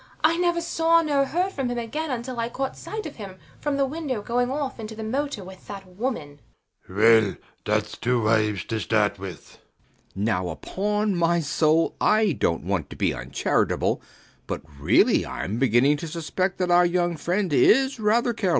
I never saw nor heard of him again until I caught sight of him from the window going off in the motor with that woman. SIR PATRICK. Well, thats two wives to start with. B. B. Now upon my soul I dont want to be uncharitable; but really I'm beginning to suspect that our young friend is rather careless.